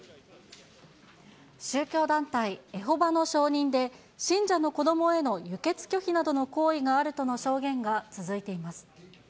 宗教団体エホバの証人で、信者の子どもへの輸血拒否などの行為があるとの証言が続いています。